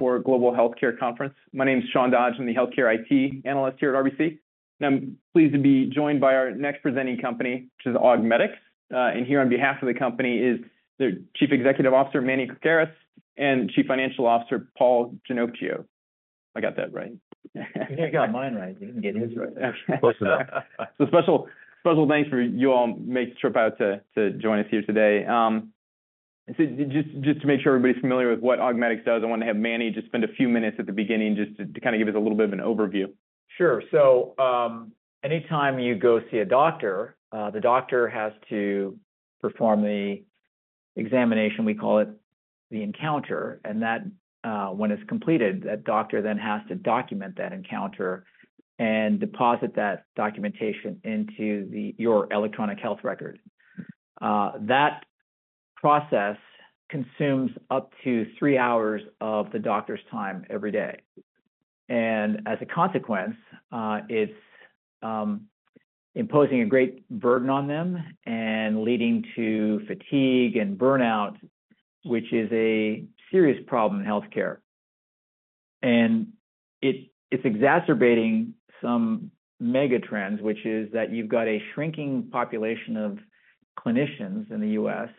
for Global Healthcare Conference. My name is Sean Dodge. I'm the healthcare IT analyst here at RBC, and I'm pleased to be joined by our next presenting company, which is Augmedix. And here on behalf of the company is their Chief Executive Officer, Manny Krakaris, and Chief Financial Officer, Paul Ginocchio. I got that right. You got mine right. You can get his right. So special, special thanks for you all making the trip out to join us here today. Just to make sure everybody's familiar with what Augmedix does, I want to have Manny just spend a few minutes at the beginning just to kind of give us a little bit of an overview. Sure. So, anytime you go see a doctor, the doctor has to perform the examination, we call it the encounter, and that, when it's completed, that doctor then has to document that encounter and deposit that documentation into the your electronic health record. That process consumes up to three hours of the doctor's time every day. As a consequence, it's imposing a great burden on them and leading to fatigue and burnout, which is a serious problem in healthcare. It's exacerbating some mega trends, which is that you've got a shrinking population of clinicians in the U.S.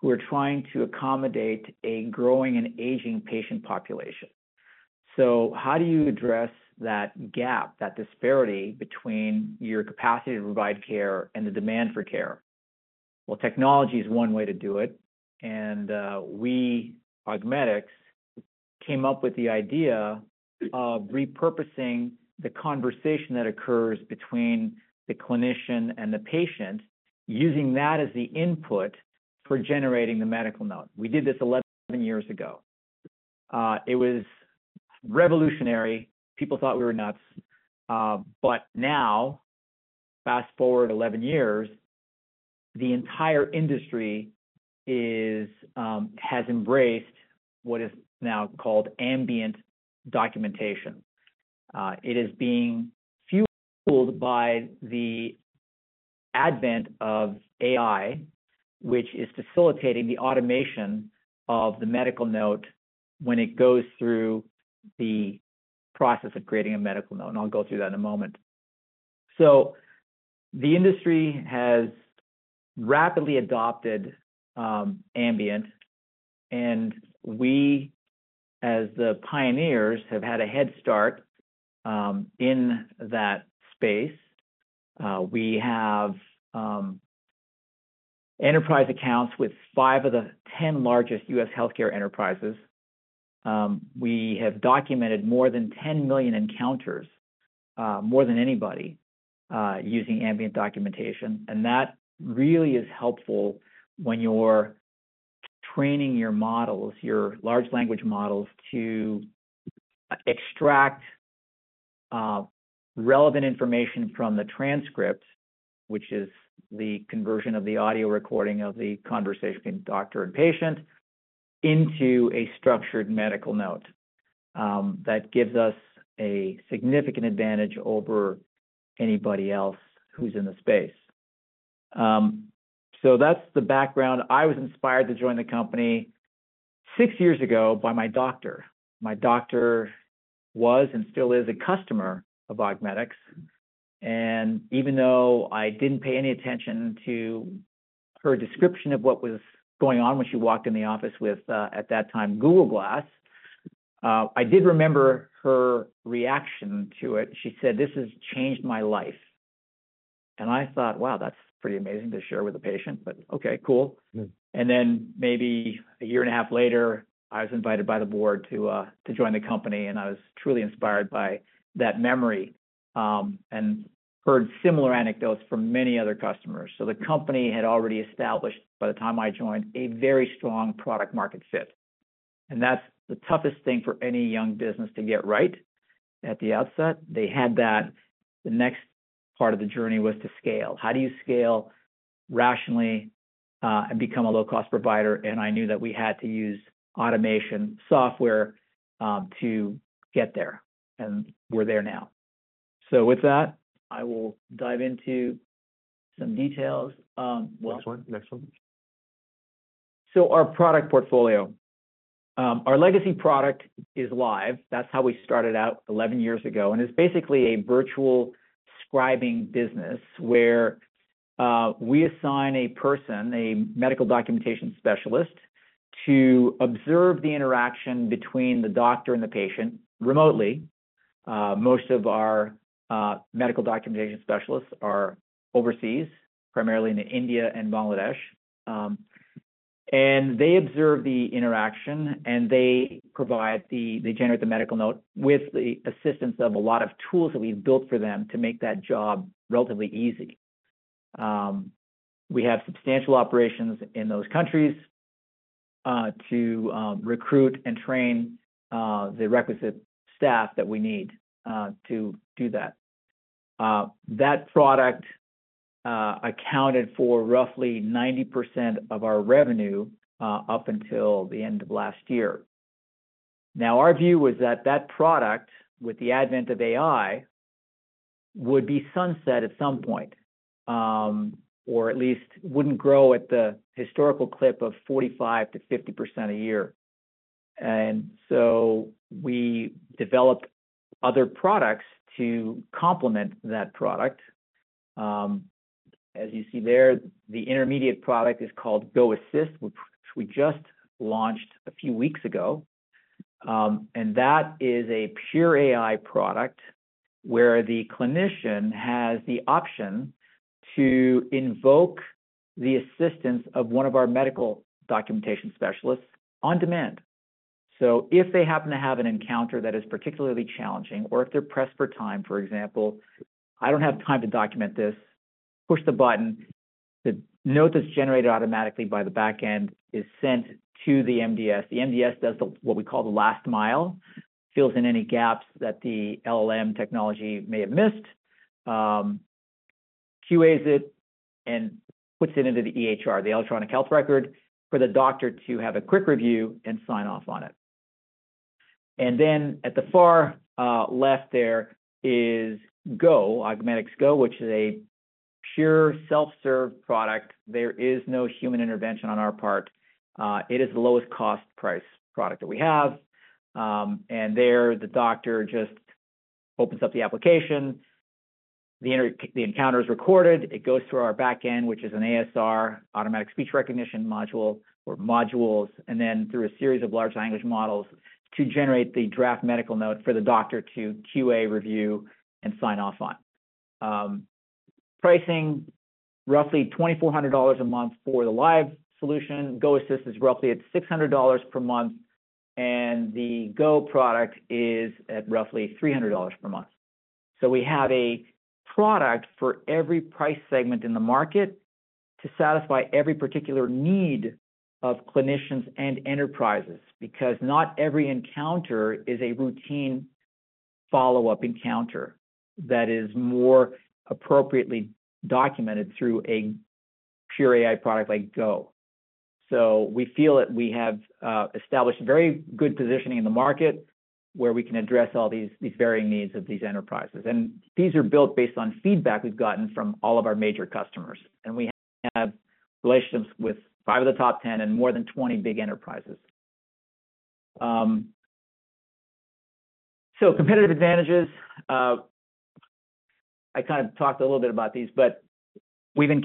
who are trying to accommodate a growing and aging patient population. So how do you address that gap, that disparity between your capacity to provide care and the demand for care? Well, technology is one way to do it, and we, Augmedix, came up with the idea of repurposing the conversation that occurs between the clinician and the patient, using that as the input for generating the medical note. We did this 11 years ago. It was revolutionary. People thought we were nuts, but now, fast-forward 11 years, the entire industry has embraced what is now called ambient documentation. It is being fueled by the advent of AI, which is facilitating the automation of the medical note when it goes through the process of creating a medical note, and I'll go through that in a moment. So the industry has rapidly adopted ambient, and we, as the pioneers, have had a head start in that space. We have enterprise accounts with 5 of the 10 largest U.S. healthcare enterprises. We have documented more than 10 million encounters, more than anybody, using ambient documentation, and that really is helpful when you're training your models, your large language models, to extract, relevant information from the transcript, which is the conversion of the audio recording of the conversation between doctor and patient, into a structured medical note. That gives us a significant advantage over anybody else who's in the space. So that's the background. I was inspired to join the company six years ago by my doctor. My doctor was, and still is, a customer of Augmedix, and even though I didn't pay any attention to her description of what was going on when she walked in the office with, at that time, Google Glass, I did remember her reaction to it. She said, "This has changed my life." And I thought, "Wow, that's pretty amazing to share with a patient, but okay, cool. Mm. Then maybe a year and a half later, I was invited by the board to join the company, and I was truly inspired by that memory, and heard similar anecdotes from many other customers. So the company had already established, by the time I joined, a very strong product market fit, and that's the toughest thing for any young business to get right at the outset. They had that. The next part of the journey was to scale. How do you scale rationally, and become a low-cost provider? And I knew that we had to use automation software to get there, and we're there now. So with that, I will dive into some details. Well- Next one, next one. So our product portfolio. Our legacy product is Live. That's how we started out 11 years ago, and it's basically a virtual scribing business where we assign a person, a medical documentation specialist, to observe the interaction between the doctor and the patient remotely. Most of our medical documentation specialists are overseas, primarily in India and Bangladesh. And they observe the interaction, and they generate the medical note with the assistance of a lot of tools that we've built for them to make that job relatively easy. We have substantial operations in those countries to recruit and train the requisite staff that we need to do that. That product accounted for roughly 90% of our revenue up until the end of last year. Now, our view was that that product, with the advent of AI would be sunset at some point, or at least wouldn't grow at the historical clip of 45%-50% a year. And so we developed other products to complement that product. As you see there, the intermediate product is called GoAssist, which we just launched a few weeks ago. And that is a pure AI product where the clinician has the option to invoke the assistance of one of our medical documentation specialists on demand. So if they happen to have an encounter that is particularly challenging, or if they're pressed for time, for example, I don't have time to document this, push the button. The note that's generated automatically by the back end is sent to the MDS. The MDS does the, what we call the last mile, fills in any gaps that the LLM technology may have missed, QAs it, and puts it into the EHR, the electronic health record, for the doctor to have a quick review and sign off on it. And then at the far, left there is Go, Augmedix Go, which is a pure self-serve product. There is no human intervention on our part. It is the lowest cost price product that we have. And there, the doctor just opens up the application, the encounter is recorded, it goes through our back end, which is an ASR, Automatic Speech recognition module or modules, and then through a series of large language models to generate the draft medical note for the doctor to QA review and sign off on. Pricing, roughly $2,400 a month for the Live solution. GoAssist is roughly at $600 per month, and the Go product is at roughly $300 per month. So we have a product for every price segment in the market to satisfy every particular need of clinicians and enterprises, because not every encounter is a routine follow-up encounter that is more appropriately documented through a pure AI product like Go. So we feel that we have established very good positioning in the market, where we can address all these, these varying needs of these enterprises. And these are built based on feedback we've gotten from all of our major customers, and we have relationships with 5 of the top 10 and more than 20 big enterprises. So competitive advantages. I kind of talked a little bit about these, but we've done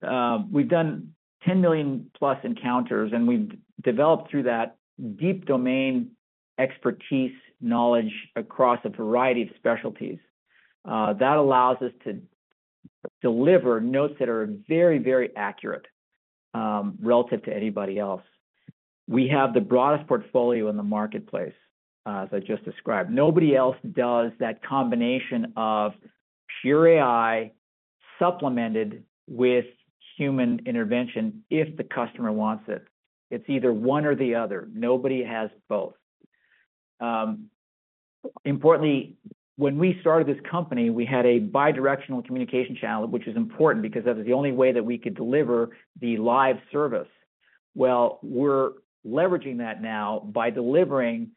10 million-plus encounters, and we've developed through that deep domain expertise, knowledge across a variety of specialties. That allows us to deliver notes that are very, very accurate, relative to anybody else. We have the broadest portfolio in the marketplace, as I just described. Nobody else does that combination of pure AI supplemented with human intervention if the customer wants it. It's either one or the other. Nobody has both. Importantly, when we started this company, we had a bidirectional communication channel, which is important because that was the only way that we could deliver the Live service. Well, we're leveraging that now by delivering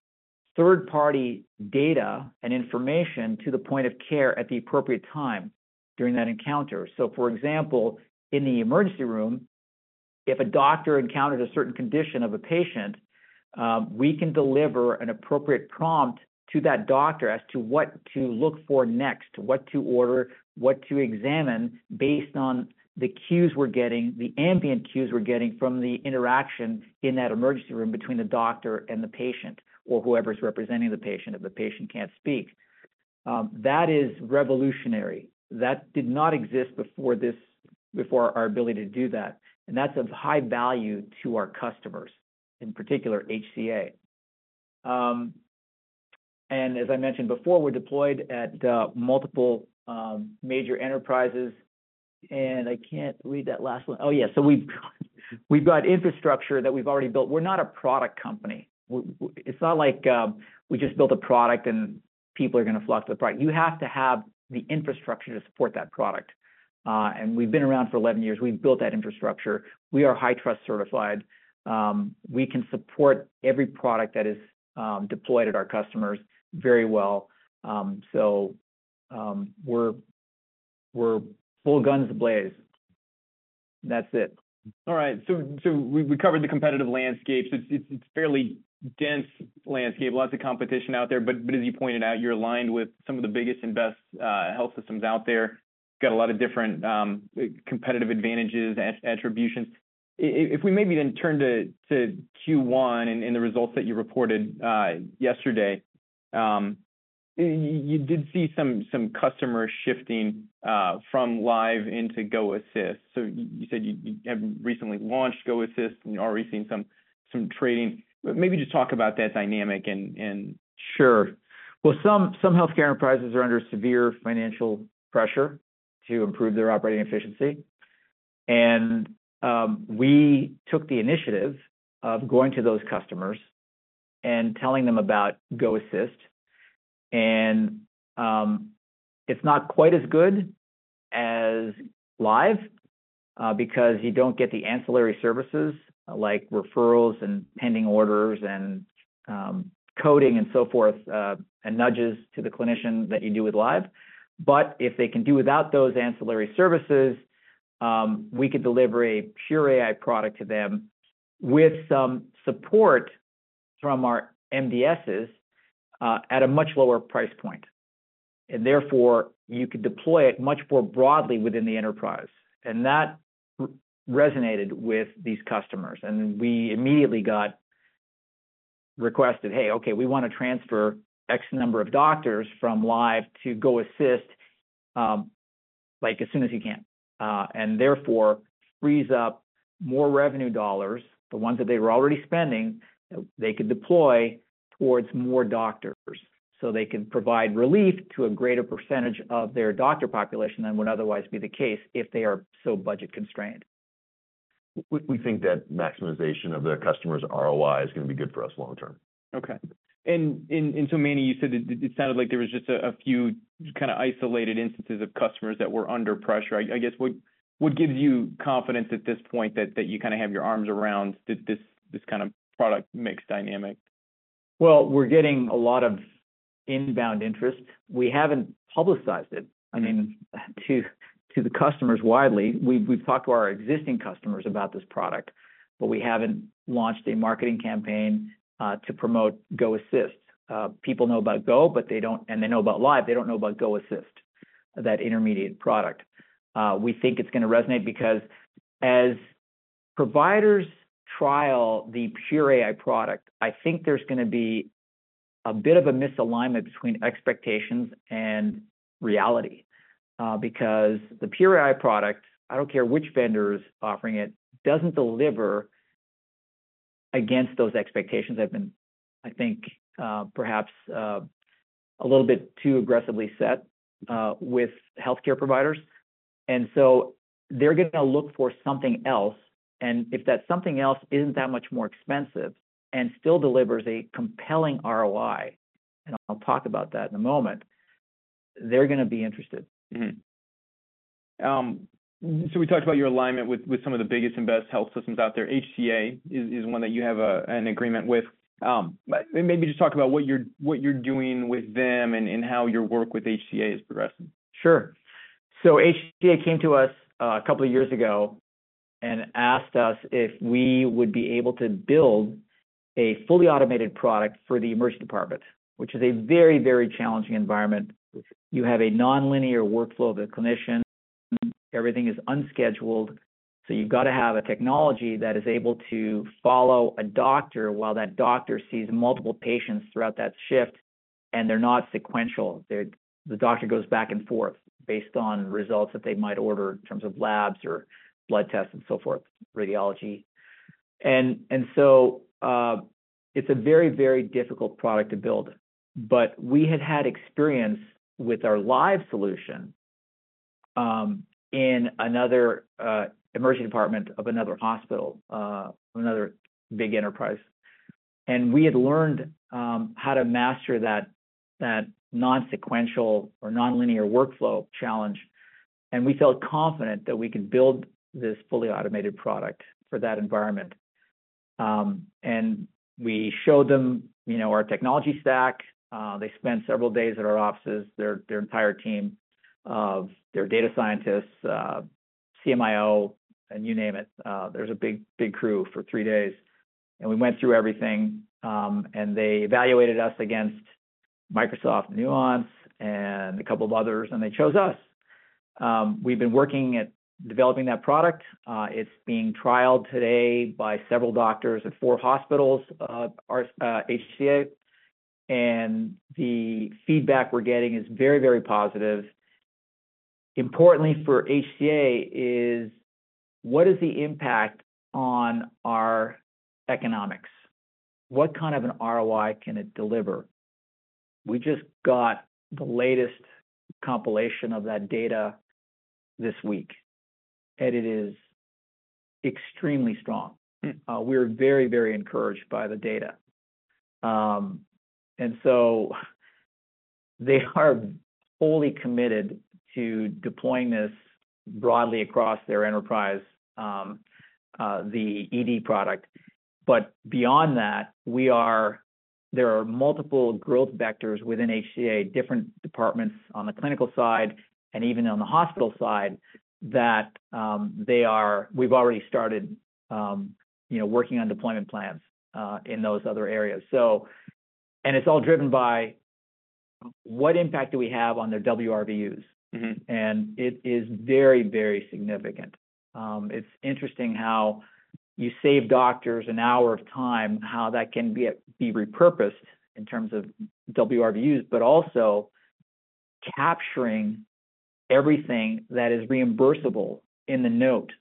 third-party data and information to the point of care at the appropriate time during that encounter. For example, in the emergency room, if a doctor encounters a certain condition of a patient, we can deliver an appropriate prompt to that doctor as to what to look for next, what to order, what to examine, based on the cues we're getting, the ambient cues we're getting from the interaction in that emergency room between the doctor and the patient or whoever's representing the patient if the patient can't speak. That is revolutionary. That did not exist before this, before our ability to do that, and that's of high value to our customers, in particular HCA. As I mentioned before, we're deployed at multiple major enterprises, and I can't read that last one. Oh, yeah. We've got infrastructure that we've already built. We're not a product company. It's not like we just built a product and people are going to flock to the product. You have to have the infrastructure to support that product. We've been around for 11 years. We've built that infrastructure. We are HITRUST certified. We can support every product that is deployed at our customers very well. So, we're full guns ablaze. That's it. All right. So we covered the competitive landscape. So it's fairly dense landscape, lots of competition out there, but as you pointed out, you're aligned with some of the biggest and best health systems out there. Got a lot of different competitive advantages, attributions. If we maybe then turn to Q1 and the results that you reported yesterday. You did see some customers shifting from Live into GoAssist. So you said you have recently launched GoAssist and you're already seeing some trading. Maybe just talk about that dynamic and Sure. Well, some healthcare enterprises are under severe financial pressure to improve their operating efficiency. And we took the initiative of going to those customers and telling them about GoAssist, and it's not quite as good as Live because you don't get the ancillary services, like referrals and pending orders, and coding, and so forth, and nudges to the clinician that you do with Live. But if they can do without those ancillary services, we could deliver a pure AI product to them with some support from our MDSs at a much lower price point. And therefore, you could deploy it much more broadly within the enterprise, and that resonated with these customers. We immediately got requested: "Hey, okay, we wanna transfer X number of doctors from Live to GoAssist, like, as soon as you can." And therefore, frees up more revenue dollars, the ones that they were already spending, they could deploy towards more doctors, so they can provide relief to a greater percentage of their doctor population than would otherwise be the case if they are so budget-constrained. We think that maximization of their customers' ROI is gonna be good for us long term. Okay. So Manny, you said it sounded like there was just a few kinda isolated instances of customers that were under pressure. I guess, what gives you confidence at this point that you kinda have your arms around this kind of product mix dynamic? Well, we're getting a lot of inbound interest. We haven't publicized it- Okay... I mean, to the customers widely. We've talked to our existing customers about this product, but we haven't launched a marketing campaign to promote GoAssist. People know about Go, but they don't, and they know about Live, they don't know about GoAssist, that intermediate product. We think it's gonna resonate because as providers trial the pure AI product, I think there's gonna be a bit of a misalignment between expectations and reality. Because the pure AI product, I don't care which vendor is offering it, doesn't deliver against those expectations that have been, I think, perhaps a little bit too aggressively set with healthcare providers. And so they're gonna look for something else, and if that something else isn't that much more expensive and still delivers a compelling ROI, and I'll talk about that in a moment, they're gonna be interested. Mm-hmm. So we talked about your alignment with, with some of the biggest and best health systems out there. HCA is, is one that you have a, an agreement with. But maybe just talk about what you're, what you're doing with them and, and how your work with HCA is progressing. Sure. So HCA came to us a couple of years ago and asked us if we would be able to build a fully automated product for the emergency department, which is a very, very challenging environment. You have a nonlinear workflow of the clinician, everything is unscheduled, so you've gotta have a technology that is able to follow a doctor while that doctor sees multiple patients throughout that shift, and they're not sequential. They're. The doctor goes back and forth based on results that they might order in terms of labs or blood tests and so forth, radiology. And so, it's a very, very difficult product to build, but we had had experience with our Live solution in another emergency department of another hospital, another big enterprise. We had learned how to master that non-sequential or nonlinear workflow challenge, and we felt confident that we could build this fully automated product for that environment. And we showed them, you know, our technology stack. They spent several days at our offices, their entire team of data scientists, CMIO, and you name it. There was a big, big crew for three days, and we went through everything, and they evaluated us against Microsoft, Nuance, and a couple of others, and they chose us. We've been working at developing that product. It's being trialed today by several doctors at four hospitals, our HCA, and the feedback we're getting is very, very positive. Importantly for HCA is: What is the impact on our economics? What kind of an ROI can it deliver? We just got the latest compilation of that data this week, and it is extremely strong. Mm-hmm. We're very, very encouraged by the data. And so they are fully committed to deploying this broadly across their enterprise, the ED product. But beyond that, there are multiple growth vectors within HCA, different departments on the clinical side and even on the hospital side, that they are... We've already started, you know, working on deployment plans, in those other areas. And it's all driven by: What impact do we have on their wRVUs? Mm-hmm. It is very, very significant. It's interesting how you save doctors an hour of time, how that can be repurposed in terms of wRVUs, but also capturing everything that is reimbursable in the note.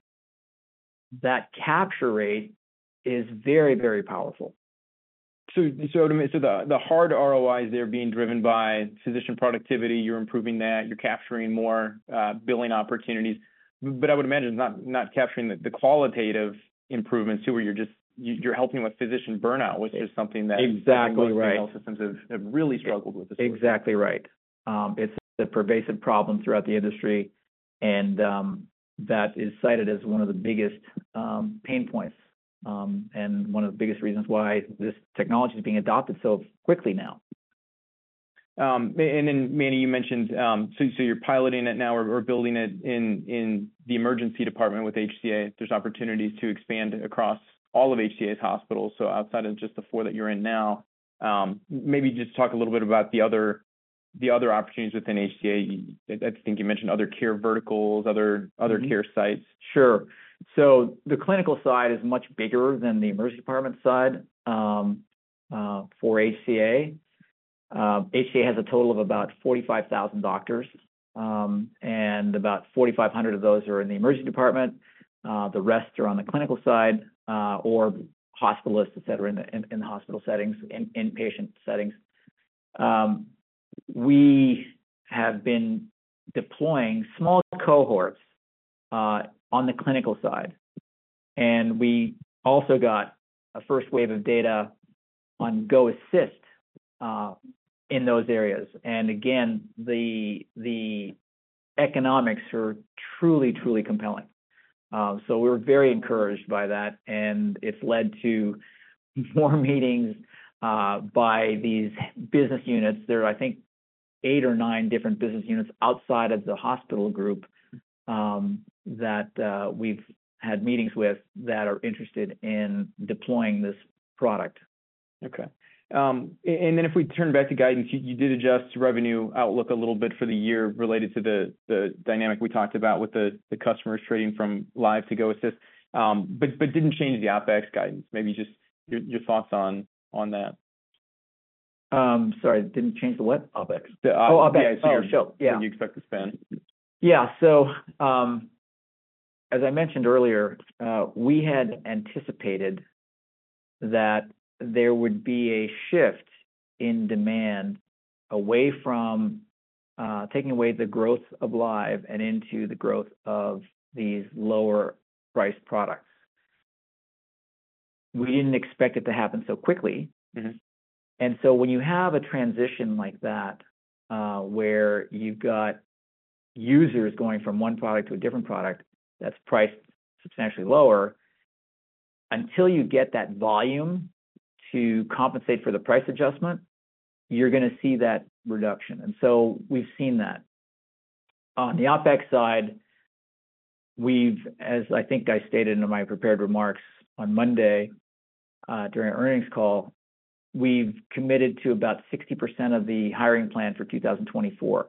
That capture rate is very, very powerful. So to me, the hard ROIs, they're being driven by physician productivity. You're improving that, you're capturing more billing opportunities. But I would imagine it's not capturing the qualitative improvements to where you're just you're helping with physician burnout, which is something that- Exactly right... most systems have really struggled with the source. Exactly right. It's a pervasive problem throughout the industry... And that is cited as one of the biggest pain points, and one of the biggest reasons why this technology is being adopted so quickly now. Manny, you mentioned, so you're piloting it now or building it in the emergency department with HCA. There's opportunities to expand across all of HCA's hospitals, so outside of just the four that you're in now. Maybe just talk a little bit about the other opportunities within HCA. I think you mentioned other care verticals, other- Mm-hmm. Other care sites. Sure. So the clinical side is much bigger than the emergency department side, for HCA. HCA has a total of about 45,000 doctors, and about 4,500 of those are in the emergency department. The rest are on the clinical side, or hospitalists, et cetera, in the hospital settings, inpatient settings. We have been deploying small cohorts, on the clinical side, and we also got a first wave of data on GoAssist, in those areas. And again, the economics are truly, truly compelling. So we're very encouraged by that, and it's led to more meetings, by these business units. There are, I think, eight or nine different business units outside of the hospital group, that we've had meetings with that are interested in deploying this product. Okay. And then if we turn back to guidance, you did adjust revenue outlook a little bit for the year related to the dynamic we talked about with the customers trading from Live to GoAssist, but didn't change the OpEx guidance. Maybe just your thoughts on that. Sorry, didn't change the what? OpEx. Oh, OpEx. Yeah, I see. Oh, sure, yeah. What you expect to spend? Yeah. So, as I mentioned earlier, we had anticipated that there would be a shift in demand away from taking away the growth of Live and into the growth of these lower price products. We didn't expect it to happen so quickly. Mm-hmm. And so when you have a transition like that, where you've got users going from one product to a different product that's priced substantially lower, until you get that volume to compensate for the price adjustment, you're gonna see that reduction. And so we've seen that. On the OpEx side, we've as I think I stated in my prepared remarks on Monday, during our earnings call, we've committed to about 60% of the hiring plan for 2024.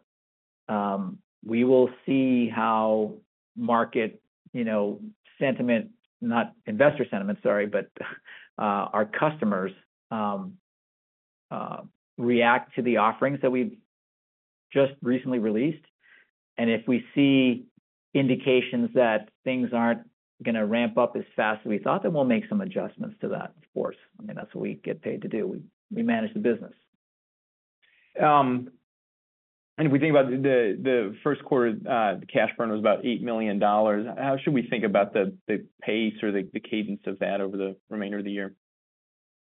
We will see how market, you know, sentiment, not investor sentiment, sorry, but, our customers react to the offerings that we've just recently released. And if we see indications that things aren't gonna ramp up as fast as we thought, then we'll make some adjustments to that, of course. I mean, that's what we get paid to do. We manage the business. And if we think about the first quarter, cash burn was about $8 million, how should we think about the pace or the cadence of that over the remainder of the year?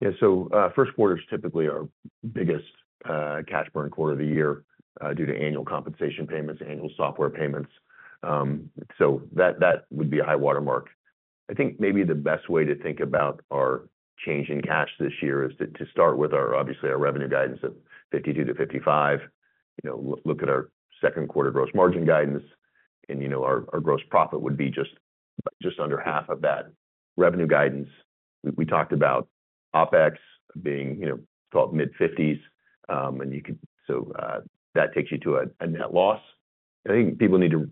Yeah. So, first quarter is typically our biggest cash burn quarter of the year due to annual compensation payments, annual software payments. So that would be a high watermark. I think maybe the best way to think about our change in cash this year is to start with our, obviously, our revenue guidance of $52-$55. You know, look at our second quarter gross margin guidance, and, you know, our gross profit would be just under half of that revenue guidance. We talked about OpEx being, you know, 12, mid-50s, and you could. So, that takes you to a net loss. I think people need to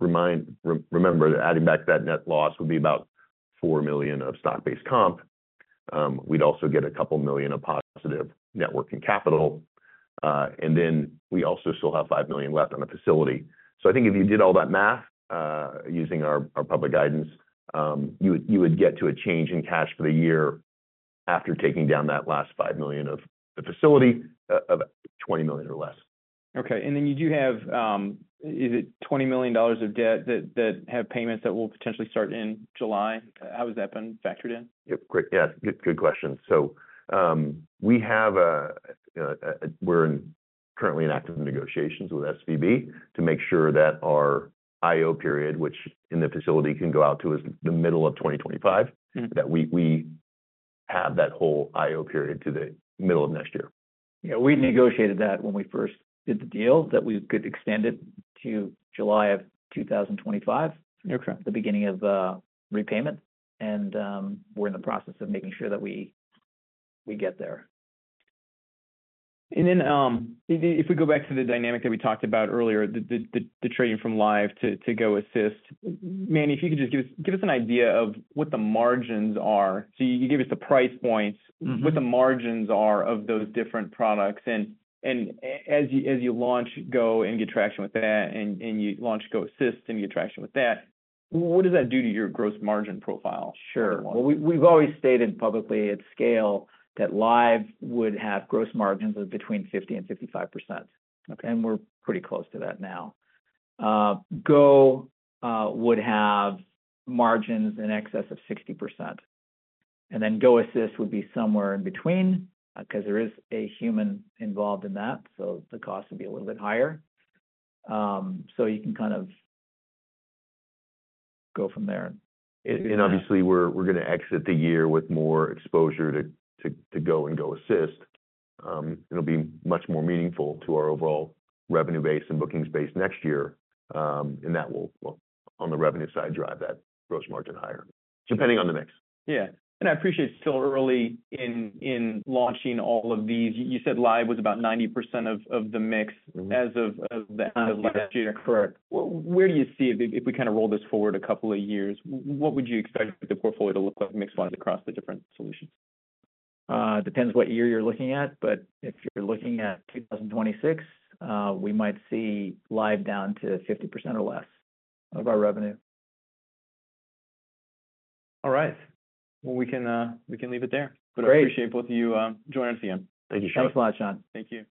remember that adding back to that net loss would be about $4 million of stock-based comp. We'd also get a couple million of positive net working capital, and then we also still have $5 million left on the facility. So I think if you did all that math, using our public guidance, you would get to a change in cash for the year after taking down that last $5 million of the facility, of $20 million or less. Okay. Then you do have, is it $20 million of debt that have payments that will potentially start in July? How has that been factored in? Yep. Great. Yeah, good, good question. So, we're currently in active negotiations with SVB to make sure that our IO period, which in the facility can go out to is the middle of 2025- Mm-hmm That we have that whole IO period to the middle of next year. Yeah, we negotiated that when we first did the deal, that we could extend it to July of 2025- Okay the beginning of repayment. And, we're in the process of making sure that we get there. And then, if we go back to the dynamic that we talked about earlier, the trading from Live to GoAssist, Manny, if you could just give us an idea of what the margins are. So you gave us the price points- Mm-hmm... what the margins are of those different products. And as you launch Go and get traction with that, and you launch GoAssist and get traction with that, what does that do to your gross margin profile? Sure. Well- We've always stated publicly at scale that Live would have gross margins of between 50% and 55%. Okay. We're pretty close to that now. Go would have margins in excess of 60%, and then GoAssist would be somewhere in between, 'cause there is a human involved in that, so the cost would be a little bit higher. So you can kind of go from there. Obviously, we're gonna exit the year with more exposure to Go and GoAssist. It'll be much more meaningful to our overall revenue base and bookings base next year. And that will, well, on the revenue side, drive that gross margin higher, depending on the mix. Yeah, and I appreciate it's still early in launching all of these. You said Live was about 90% of the mix- Mm-hmm as of the end of last year. Correct. Where do you see, if we roll this forward a couple of years, what would you expect the portfolio to look like, mix-wise, across the different solutions? It depends what year you're looking at, but if you're looking at 2026, we might see Live down to 50% or less of our revenue. All right. Well, we can, we can leave it there. Great. I appreciate both of you, joining us again. Thank you. Thanks a lot, Sean. Thank you.